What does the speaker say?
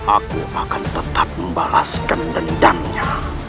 aku akan tetap membalaskan dendamnya